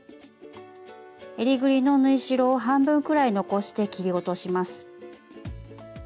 えりぐりの縫い代を半分くらい残して切り落とします。